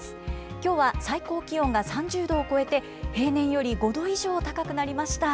きょうは最高気温が３０度を超えて、平年より５度以上高くなりました。